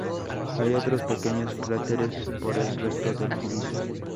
Hay otros pequeños cráteres por el resto del fondo.